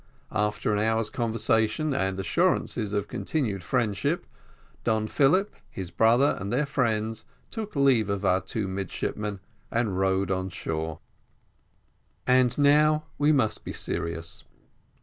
After an hour's conversation, and assurances of continued friendship, Don Philip, his brother, and their friends, took leave of our two midshipmen, and rowed on shore. And now we must be serious.